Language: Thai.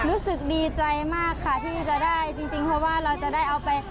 รู้สึกดีใจมากค่ะที่จะได้จริงเพราะว่าเราจะได้เอาไป